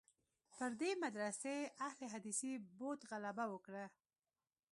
پر دې مدرسې اهل حدیثي بعد غلبه وکړه.